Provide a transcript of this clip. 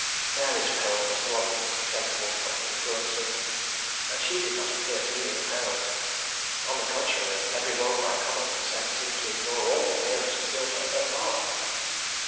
Mary's peril was the one thing capable of influencing me, and she did not appear to be in peril. On the contrary, every one, by common consent, seemed to ignore all appearance of guilt on her part.